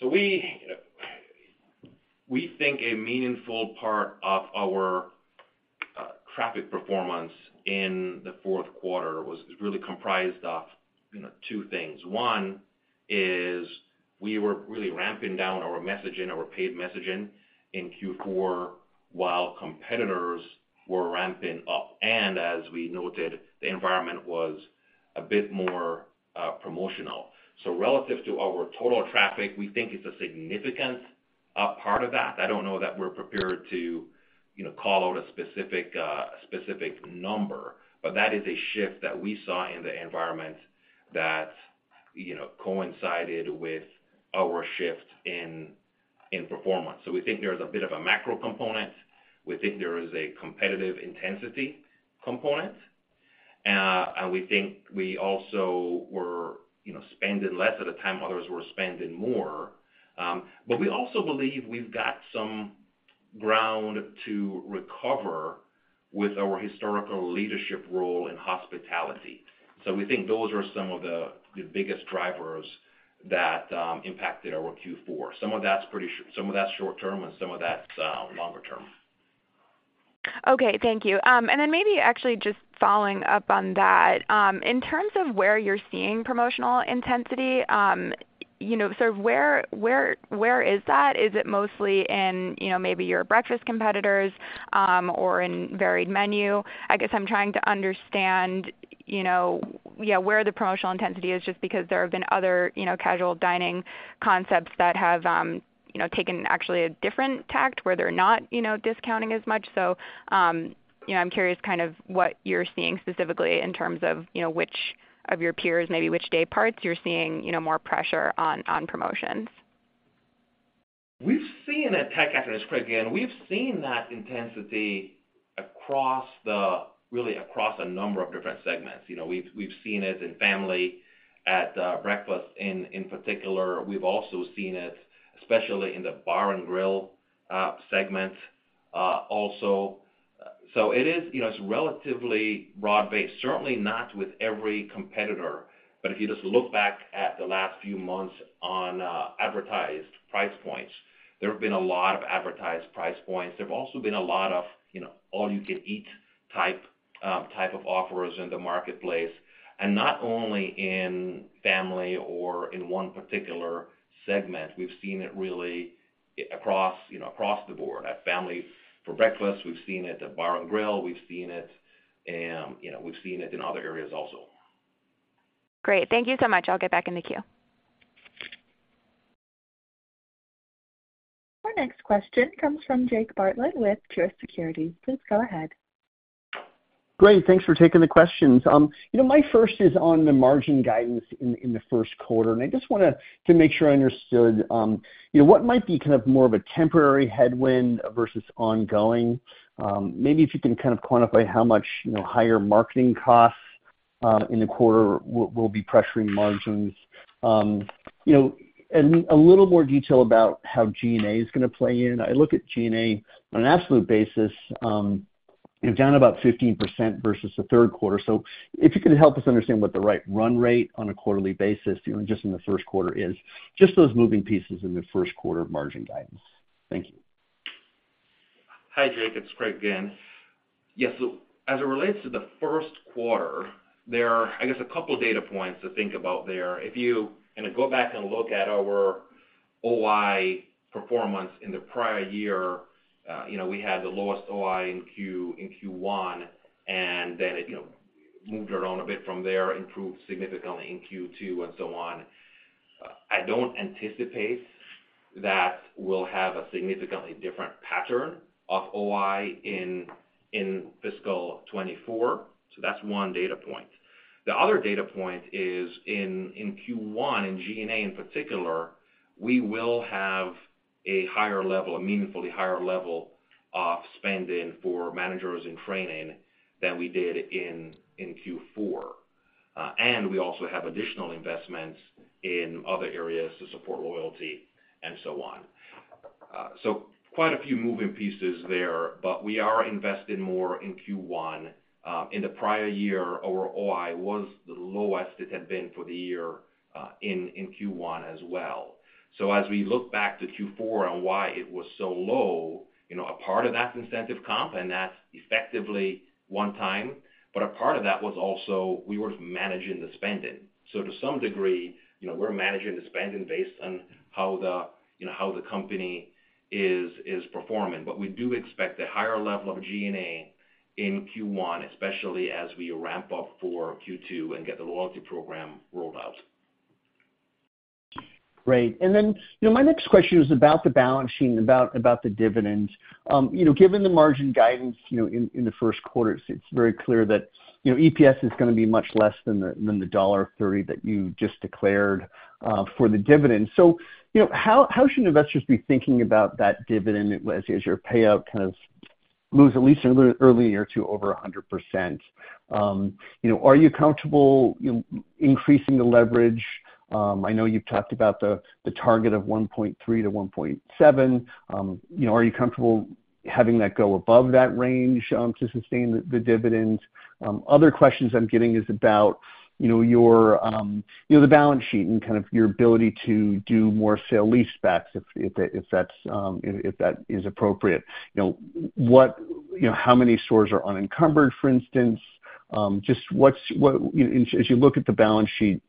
So we think a meaningful part of our traffic performance in the fourth quarter was really comprised of, you know, two things. One is we were really ramping down our messaging, our paid messaging in Q4, while competitors were ramping up, and as we noted, the environment was a bit more promotional. So relative to our total traffic, we think it's a significant part of that. I don't know that we're prepared to, you know, call out a specific number, but that is a shift that we saw in the environment that, you know, coincided with our shift in performance. So we think there's a bit of a macro component. We think there is a competitive intensity component, and we think we also were, you know, spending less at the time others were spending more. But we also believe we've got some ground to recover with our historical leadership role in hospitality. So we think those are some of the biggest drivers that impacted our Q4. Some of that's pretty sure... Some of that's longer term. Okay, thank you. And then maybe actually just following up on that, in terms of where you're seeing promotional intensity, you know, so where, where, where is that? Is it mostly in, you know, maybe your breakfast competitors, or in varied menu? I guess I'm trying to understand, you know, yeah, where the promotional intensity is, just because there have been other, you know, casual dining concepts that have, you know, taken actually a different tack, where they're not, you know, discounting as much. So, you know, I'm curious kind of what you're seeing specifically in terms of, you know, which of your peers, maybe which day parts you're seeing, you know, more pressure on, on promotions. We've seen that, hi Catherine, it's Craig again. We've seen that intensity across the, really across a number of different segments. You know, we've seen it in family, at breakfast in particular. We've also seen it especially in the bar and grill segment also. So it is, you know, it's relatively broad-based, certainly not with every competitor. But if you just look back at the last few months on advertised price points, there have been a lot of advertised price points. There have also been a lot of, you know, all-you-can-eat type of offers in the marketplace, and not only in family or in one particular segment. We've seen it really across, you know, across the board. At family for breakfast, we've seen it at bar and grill, we've seen it, you know, we've seen it in other areas also. Great. Thank you so much. I'll get back in the queue. Our next question comes from Jake Bartlett with Truist Securities. Please go ahead. Great, thanks for taking the questions. You know, my first is on the margin guidance in the first quarter, and I just want to make sure I understood, you know, what might be kind of more of a temporary headwind versus ongoing? Maybe if you can kind of quantify how much, you know, higher marketing costs in the quarter will be pressuring margins. You know, and a little more detail about how G&A is gonna play in. I look at G&A on an absolute basis, down about 15% versus the third quarter. So if you could help us understand what the right run rate on a quarterly basis, you know, just in the first quarter is, just those moving pieces in the first quarter margin guidance. Thank you. Hi, Jake, it's Craig again. Yes, so as it relates to the first quarter, there are, I guess, a couple data points to think about there. If you kind of go back and look at our OI performance in the prior year, you know, we had the lowest OI in Q1, and then it, you know, moved around a bit from there, improved significantly in Q2 and so on. I don't anticipate that we'll have a significantly different pattern of OI in fiscal 2024, so that's one data point. The other data point is in Q1, in G&A in particular, we will have a higher level, a meaningfully higher level of spending for managers in training than we did in Q4. And we also have additional investments in other areas to support loyalty and so on. So quite a few moving pieces there, but we are investing more in Q1. In the prior year, our OI was the lowest it had been for the year, in Q1 as well. So as we look back to Q4 and why it was so low, you know, a part of that's incentive comp, and that's effectively one time, but a part of that was also we were managing the spending. So to some degree, you know, we're managing the spending based on how the, you know, how the company is performing. But we do expect a higher level of G&A in Q1, especially as we ramp up for Q2 and get the loyalty program rolled out. Great. Then, you know, my next question is about the balance sheet, about the dividends. You know, given the margin guidance, you know, in the first quarter, it's very clear that, you know, EPS is gonna be much less than the $1.30 that you just declared for the dividend. So, you know, how should investors be thinking about that dividend as your payout kind of moves at least a little earlier to over 100%? You know, are you comfortable increasing the leverage? I know you've talked about the target of 1.3-1.7. You know, are you comfortable having that go above that range to sustain the dividends? Other questions I'm getting is about, you know, your, you know, the balance sheet and kind of your ability to do more sale leasebacks, if that's, if that is appropriate. You know, what, you know, how many stores are unencumbered, for instance? Just what's, you know, as you look at the balance sheet,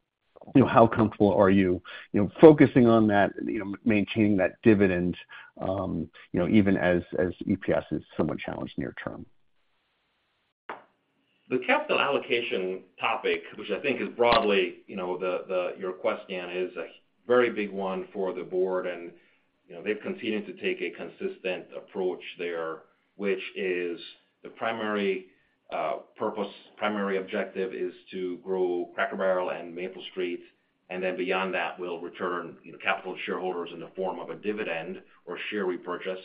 you know, how comfortable are you, you know, focusing on that, you know, maintaining that dividend, you know, even as EPS is somewhat challenged near term? The capital allocation topic, which I think is broadly, you know, the your question, is a very big one for the board, and, you know, they've continued to take a consistent approach there, which is the primary purpose, primary objective is to grow Cracker Barrel and Maple Street, and then beyond that, we'll return, you know, capital to shareholders in the form of a dividend or share repurchase.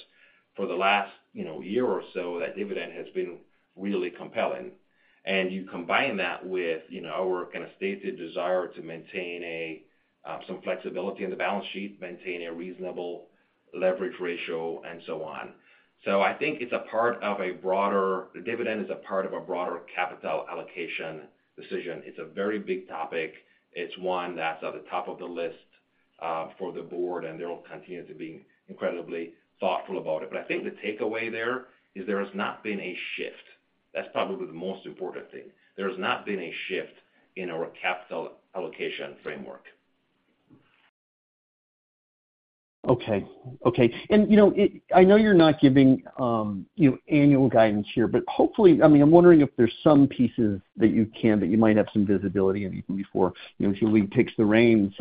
For the last, you know, year or so, that dividend has been really compelling. And you combine that with, you know, our kind of stated desire to maintain a some flexibility in the balance sheet, maintain a reasonable leverage ratio, and so on. So I think it's a part of a broader. The dividend is a part of a broader capital allocation decision. It's a very big topic. It's one that's at the top of the list, for the board, and they'll continue to be incredibly thoughtful about it. But I think the takeaway there, is there has not been a shift. That's probably the most important thing. There's not been a shift in our capital allocation framework. Okay. Okay, and, you know, it, I know you're not giving, you know, annual guidance here, but hopefully, I mean, I'm wondering if there's some pieces that you can, that you might have some visibility on, even before, you know, Julie takes the reins.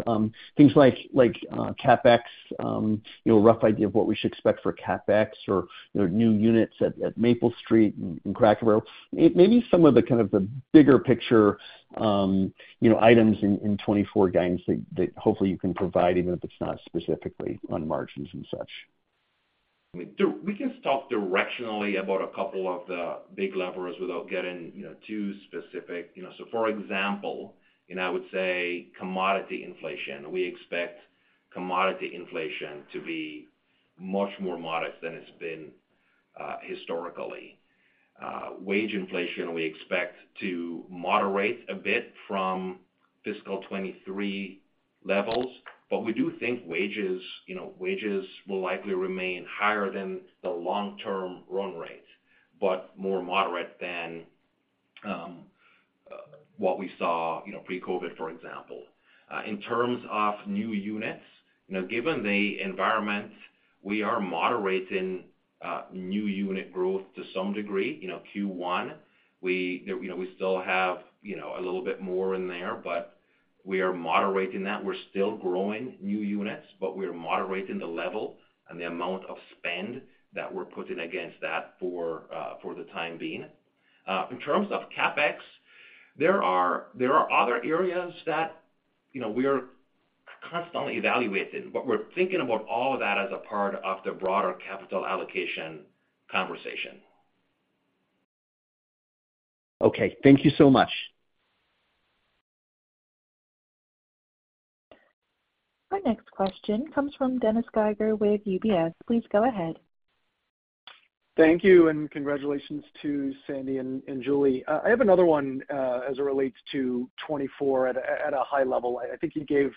Things like, like, CapEx, you know, a rough idea of what we should expect for CapEx or, you know, new units at, at Maple Street and Cracker Barrel. Maybe some of the, kind of the bigger picture, you know, items in, in 2024 guidance that, that hopefully you can provide, even if it's not specifically on margins and such. I mean, we can talk directionally about a couple of the big levers without getting, you know, too specific. You know, so for example, you know, I would say commodity inflation. We expect commodity inflation to be much more modest than it's been, historically. Wage inflation, we expect to moderate a bit from fiscal 2023 levels, but we do think wages, you know, wages will likely remain higher than the long-term run rate, but more moderate than, what we saw, you know, pre-COVID, for example. In terms of new units, you know, given the environment, we are moderating, new unit growth to some degree. You know, Q1, we, you know, we still have, you know, a little bit more in there, but we are moderating that. We're still growing new units, but we are moderating the level and the amount of spend that we're putting against that for, for the time being. In terms of CapEx, there are other areas that, you know, we are constantly evaluated, but we're thinking about all of that as a part of the broader capital allocation conversation. Okay, thank you so much. Our next question comes from Dennis Geiger with UBS. Please go ahead. Thank you, and congratulations to Sandy and Julie. I have another one, as it relates to 2024 at a high level. I think you gave,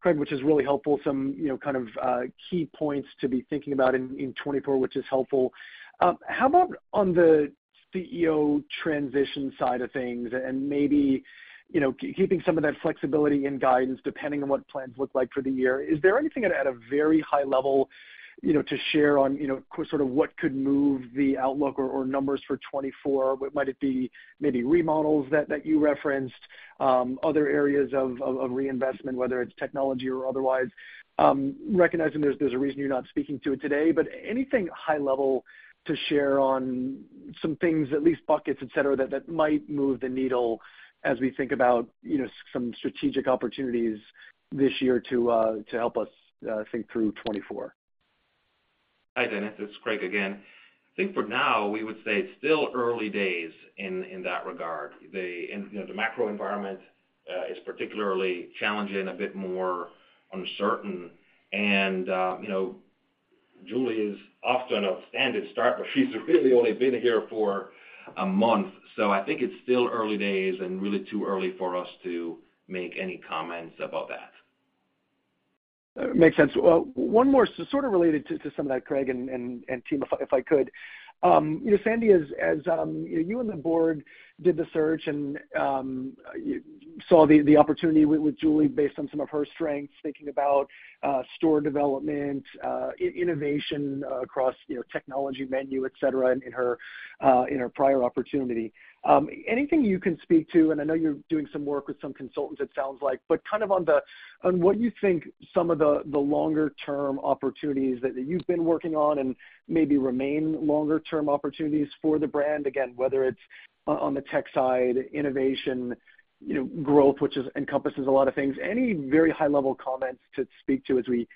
Craig, which is really helpful, some, you know, kind of key points to be thinking about in 2024, which is helpful. How about on the CEO transition side of things and maybe, you know, keeping some of that flexibility in guidance, depending on what plans look like for the year? Is there anything at a very high level, you know, to share on, you know, sort of what could move the outlook or numbers for 2024? What might it be, maybe remodels that you referenced, other areas of reinvestment, whether it's technology or otherwise? Recognizing there's a reason you're not speaking to it today, but anything high level to share on some things, at least buckets, et cetera, that might move the needle as we think about, you know, some strategic opportunities this year to help us think through 2024? Hi, Dennis, it's Craig again. I think for now, we would say it's still early days in that regard. And, you know, the macro environment is particularly challenging, a bit more uncertain. And, you know, Julie is off to an outstanding start, but she's really only been here for a month. So I think it's still early days and really too early for us to make any comments about that. Makes sense. Well, one more sort of related to some of that, Craig and team, if I could. You know, Sandy, as you and the board did the search and you saw the opportunity with Julie based on some of her strengths, thinking about store development, innovation across, you know, technology, menu, et cetera, in her prior opportunity. Anything you can speak to, and I know you're doing some work with some consultants it sounds like, but kind of on what you think some of the longer term opportunities that you've been working on and maybe remain longer term opportunities for the brand? Again, whether it's on the tech side, innovation, you know, growth, which is encompasses a lot of things. Any very high-level comments to speak to as we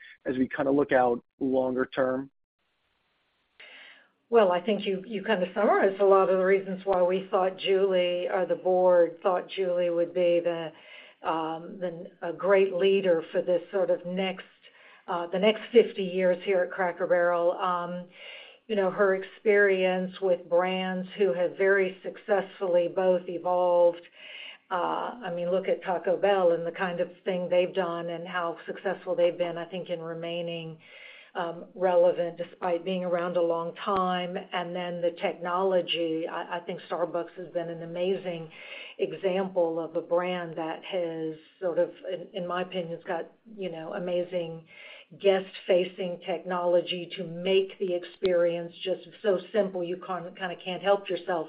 kind of look out longer term? Well, I think you kind of summarized a lot of the reasons why we thought Julie, or the board, thought Julie would be a great leader for this sort of next, the next 50 years here at Cracker Barrel. You know, her experience with brands who have very successfully both evolved. I mean, look at Taco Bell and the kind of thing they've done and how successful they've been, I think, in remaining relevant despite being around a long time. And then the technology, I think Starbucks has been an amazing example of a brand that has sort of, in my opinion, has got, you know, amazing guest-facing technology to make the experience just so simple, you kind of can't help yourself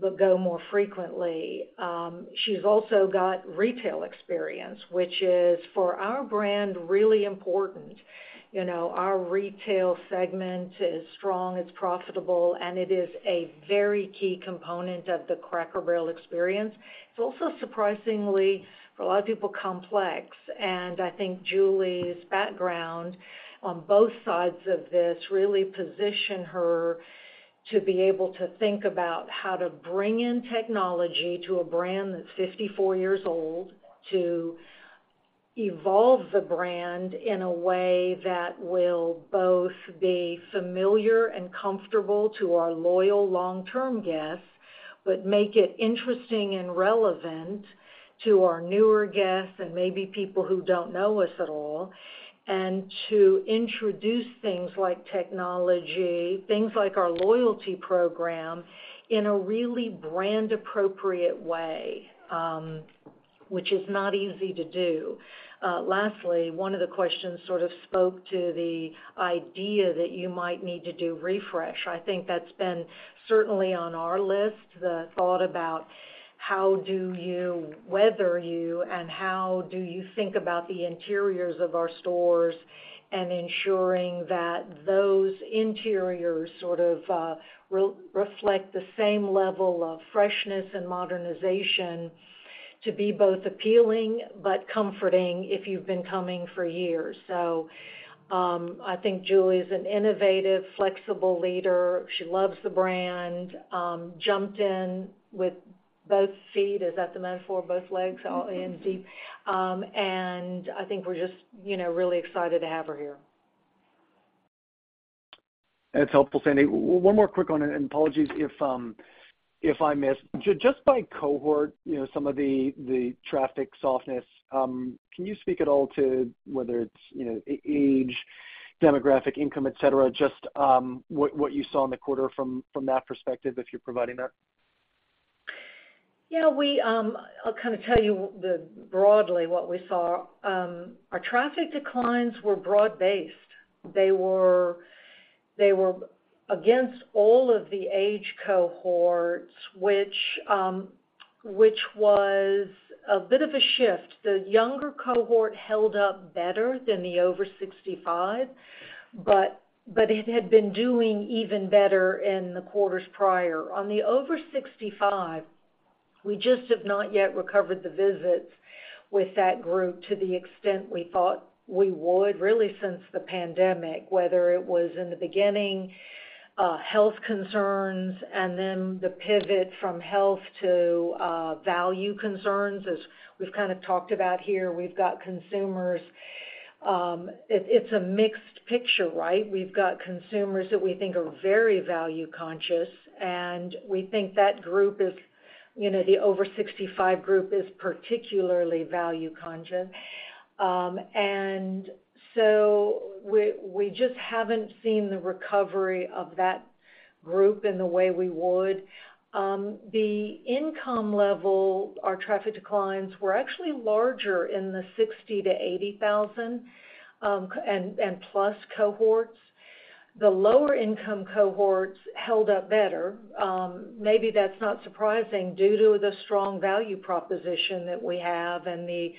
but go more frequently. She's also got retail experience, which is, for our brand, really important. You know, our retail segment is strong, it's profitable, and it is a very key component of the Cracker Barrel experience. It's also surprisingly, for a lot of people, complex, and I think Julie's background on both sides of this really position her to be able to think about how to bring in technology to a brand that's 54 years old, to evolve the brand in a way that will both be familiar and comfortable to our loyal long-term guests, but make it interesting and relevant to our newer guests and maybe people who don't know us at all. And to introduce things like technology, things like our loyalty program, in a really brand-appropriate way, which is not easy to do. Lastly, one of the questions sort of spoke to the idea that you might need to do refresh. I think that's been certainly on our list, the thought about how do you weather you, and how do you think about the interiors of our stores, and ensuring that those interiors sort of reflect the same level of freshness and modernization to be both appealing but comforting if you've been coming for years. So, I think Julie is an innovative, flexible leader. She loves the brand, jumped in with both feet. Is that the metaphor? Both legs all in deep. And I think we're just, you know, really excited to have her here. That's helpful, Sandy. One more quick one, and apologies if I missed. Just by cohort, you know, some of the traffic softness, can you speak at all to whether it's, you know, age, demographic, income, et cetera, just what you saw in the quarter from that perspective, if you're providing that? Yeah, we, I'll kind of tell you broadly what we saw. Our traffic declines were broad-based. They were, they were against all of the age cohorts, which, which was a bit of a shift. The younger cohort held up better than the over sixty-five, but, but it had been doing even better in the quarters prior. On the over sixty-five... We just have not yet recovered the visits with that group to the extent we thought we would, really, since the pandemic, whether it was in the beginning, health concerns and then the pivot from health to value concerns, as we've kind of talked about here. We've got consumers, it, it's a mixed picture, right? We've got consumers that we think are very value conscious, and we think that group is, you know, the over sixty-five group, is particularly value conscious. And so we just haven't seen the recovery of that group in the way we would. The income level, our traffic declines were actually larger in the $60,000-$80,000 and plus cohorts. The lower income cohorts held up better. Maybe that's not surprising due to the strong value proposition that we have and the.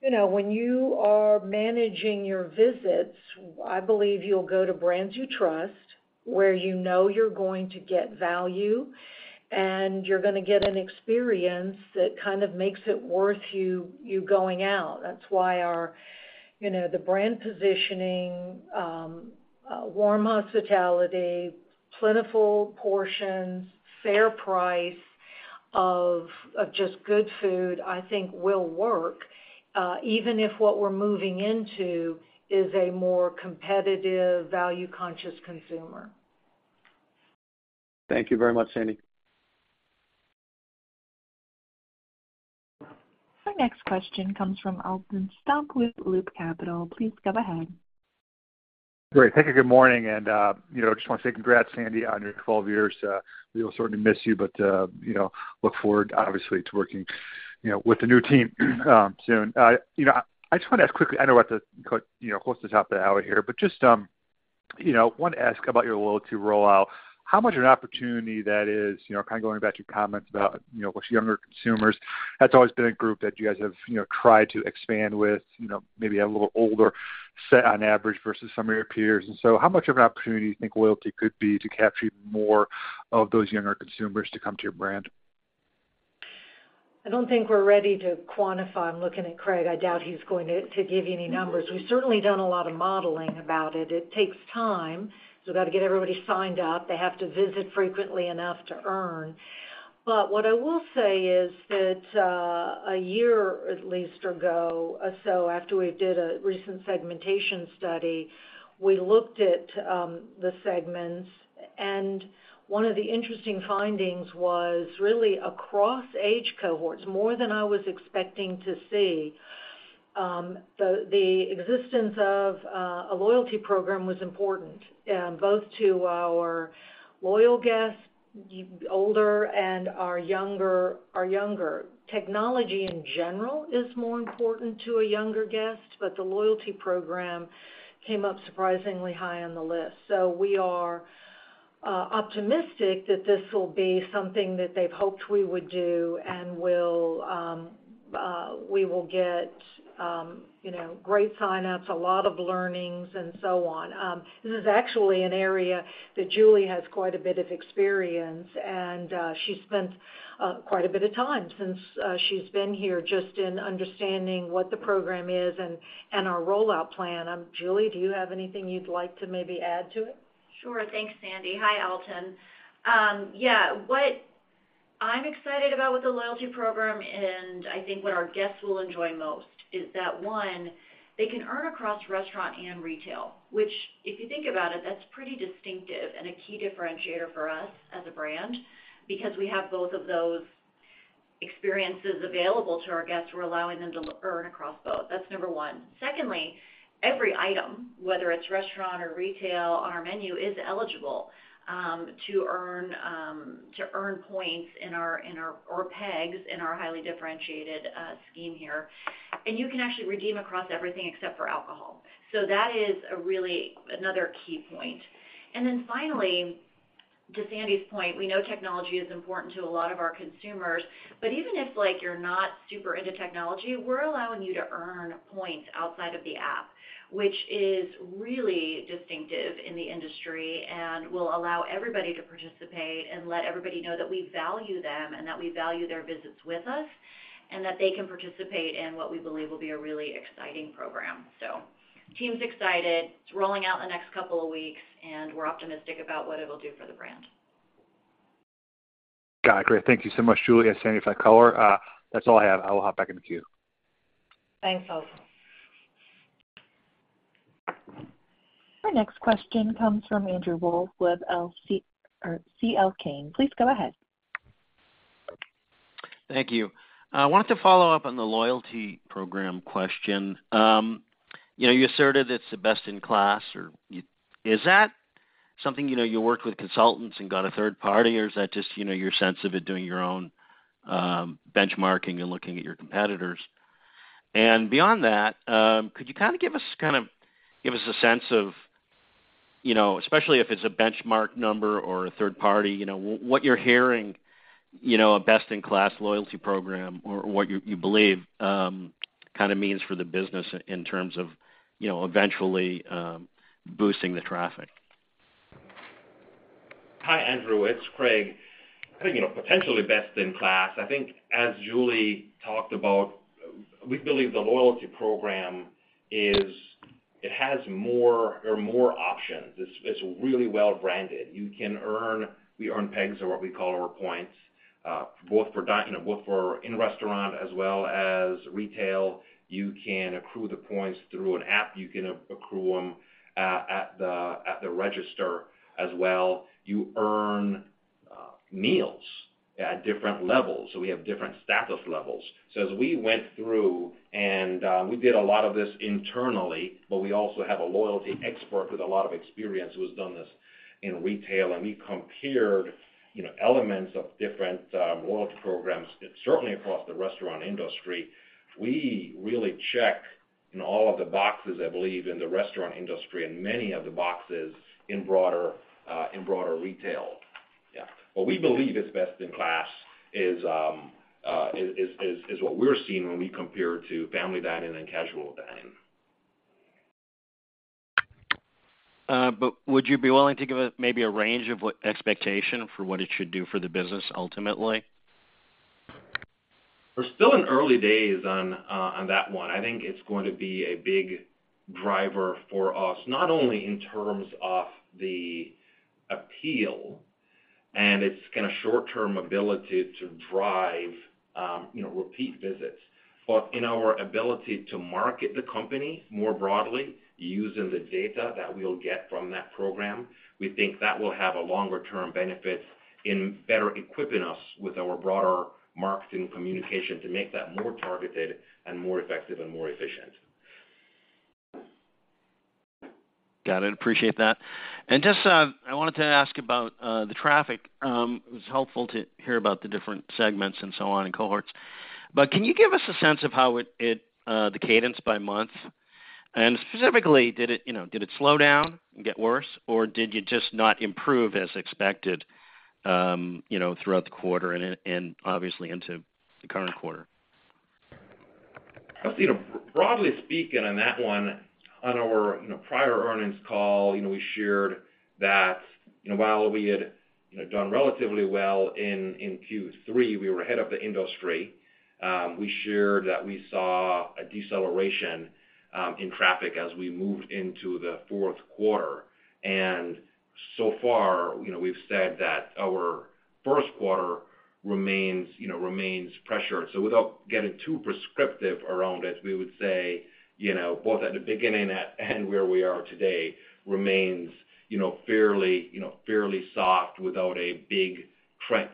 You know, when you are managing your visits, I believe you'll go to brands you trust, where you know you're going to get value, and you're gonna get an experience that kind of makes it worth you going out. That's why our, you know, the brand positioning, warm hospitality, plentiful portions, fair price of just good food, I think will work, even if what we're moving into is a more competitive, value-conscious consumer. Thank you very much, Sandy. Our next question comes from Alton Stump with Loop Capital. Please go ahead. Great! Thank you. Good morning, and, you know, just want to say congrats, Sandy, on your 12 years. We will certainly miss you, but, you know, look forward, obviously, to working, you know, with the new team, soon. You know, I just want to ask quickly, I know we're at the, you know, close to the top of the hour here, but just, you know, want to ask about your loyalty rollout. How much of an opportunity that is, you know, kind of going back to your comments about, you know, with younger consumers, that's always been a group that you guys have, you know, tried to expand with, you know, maybe a little older set on average versus some of your peers. How much of an opportunity do you think loyalty could be to capture more of those younger consumers to come to your brand? I don't think we're ready to quantify. I'm looking at Craig. I doubt he's going to give you any numbers. We've certainly done a lot of modeling about it. It takes time, so we've got to get everybody signed up. They have to visit frequently enough to earn. But what I will say is that a year at least or go, so after we did a recent segmentation study, we looked at the segments, and one of the interesting findings was really across age cohorts, more than I was expecting to see. The existence of a loyalty program was important both to our loyal guests, older and our younger, our younger. Technology in general is more important to a younger guest, but the loyalty program came up surprisingly high on the list. We are optimistic that this will be something that they've hoped we would do and will, we will get, you know, great signups, a lot of learnings and so on. This is actually an area that Julie has quite a bit of experience, and she spent quite a bit of time since she's been here just in understanding what the program is and our rollout plan. Julie, do you have anything you'd like to maybe add to it? Sure. Thanks, Sandy. Hi, Alton. Yeah, what I'm excited about with the loyalty program, and I think what our guests will enjoy most is that, one, they can earn across restaurant and retail, which, if you think about it, that's pretty distinctive and a key differentiator for us as a brand, because we have both of those experiences available to our guests. We're allowing them to earn across both. That's number one. Secondly, every item, whether it's restaurant or retail on our menu, is eligible to earn points in our or pegs in our highly differentiated scheme here. And you can actually redeem across everything except for alcohol. So that is a really another key point. And then finally, to Sandy's point, we know technology is important to a lot of our consumers, but even if, like, you're not super into technology, we're allowing you to earn points outside of the app, which is really distinctive in the industry and will allow everybody to participate and let everybody know that we value them, and that we value their visits with us, and that they can participate in what we believe will be a really exciting program. So team's excited. It's rolling out in the next couple of weeks, and we're optimistic about what it'll do for the brand. Got it. Great. Thank you so much, Julie and Sandy, for that color. That's all I have. I will hop back in the queue. Thanks, Alton. Our next question comes from Andrew Wolf with C.L. King. Please go ahead. Thank you. I wanted to follow up on the loyalty program question. You know, you asserted it's the best-in-class, or you—is that something, you know, you worked with consultants and got a third-party, or is that just, you know, your sense of it, doing your own benchmarking and looking at your competitors? And beyond that, could you kind of give us a sense of, you know, especially if it's a benchmark number or a third-party, you know, what you're hearing, you know, a best-in-class loyalty program or what you believe kind of means for the business in terms of, you know, eventually boosting the traffic?... Hi, Andrew, it's Craig. I think, you know, potentially best in class. I think as Julie talked about, we believe the loyalty program is, it has more or more options. It's, it's really well branded. You can earn, we earn pegs or what we call our points, both for dine-in, both for in-restaurant as well as retail. You can accrue the points through an app. You can accrue them at the, at the register as well. You earn meals at different levels, so we have different status levels. So as we went through and, we did a lot of this internally, but we also have a loyalty expert with a lot of experience who has done this in retail, and we compared, you know, elements of different, loyalty programs, certainly across the restaurant industry. We really check in all of the boxes, I believe, in the restaurant industry and many of the boxes in broader retail. Yeah. What we believe is best in class is what we're seeing when we compare to family dining and casual dining. But would you be willing to give us maybe a range of what expectation for what it should do for the business ultimately? We're still in early days on that one. I think it's going to be a big driver for us, not only in terms of the appeal, and it's gonna short-term ability to drive, you know, repeat visits, but in our ability to market the company more broadly using the data that we'll get from that program. We think that will have a longer-term benefit in better equipping us with our broader marketing communication to make that more targeted and more effective and more efficient. Got it. Appreciate that. And just, I wanted to ask about the traffic. It was helpful to hear about the different segments and so on, and cohorts. But can you give us a sense of how it, the cadence by month? And specifically, did it, you know, did it slow down and get worse, or did you just not improve as expected, you know, throughout the quarter and obviously into the current quarter? You know, broadly speaking, on that one, on our prior earnings call, you know, we shared that, you know, while we had done relatively well in Q3, we were ahead of the industry. We shared that we saw a deceleration in traffic as we moved into the fourth quarter. And so far, you know, we've said that our first quarter remains pressured. So without getting too prescriptive around it, we would say, you know, both at the beginning and where we are today remains fairly soft without a big trend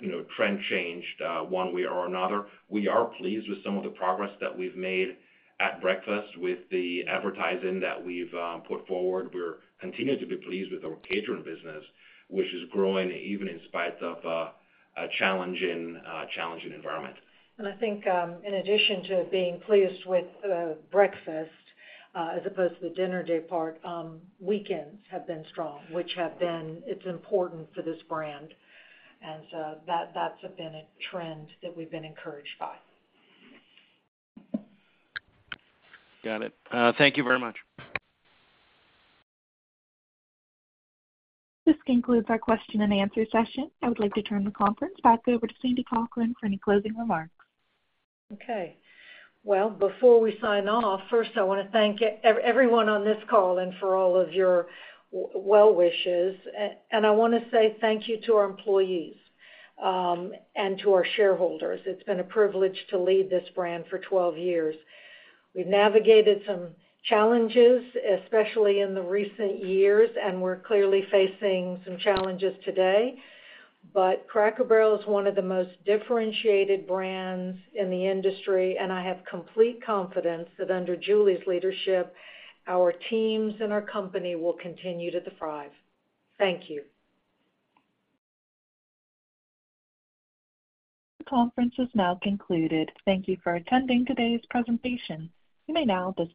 change one way or another. We are pleased with some of the progress that we've made at breakfast with the advertising that we've put forward. We're continuing to be pleased with our catering business, which is growing even in spite of a challenging environment. I think, in addition to being pleased with breakfast as opposed to the dinner day part, weekends have been strong, which have been. It's important for this brand, and that's been a trend that we've been encouraged by. Got it. Thank you very much. This concludes our question and answer session. I would like to turn the conference back over to Sandy Cochran for any closing remarks. Okay. Well, before we sign off, first, I want to thank everyone on this call and for all of your well wishes. And I want to say thank you to our employees, and to our shareholders. It's been a privilege to lead this brand for 12 years. We've navigated some challenges, especially in the recent years, and we're clearly facing some challenges today. But Cracker Barrel is one of the most differentiated brands in the industry, and I have complete confidence that under Julie's leadership, our teams and our company will continue to thrive. Thank you. The conference is now concluded. Thank you for attending today's presentation. You may now disconnect.